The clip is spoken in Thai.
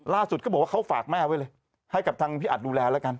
ก็บอกว่าเขาฝากแม่ไว้เลยให้กับทางพี่อัดดูแลแล้วกัน